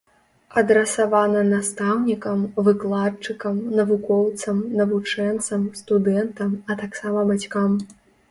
Адрасавана настаўнікам, выкладчыкам, навукоўцам, навучэнцам, студэнтам, а таксама бацькам.